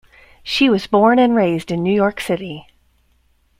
She was born and raised in New York City.